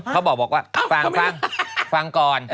เป็นไห้โซ